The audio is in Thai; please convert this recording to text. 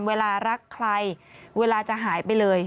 เวลารักใครเวลาจะหายไปเลย